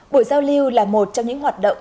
buổi giao lưu là một trong những hoạt động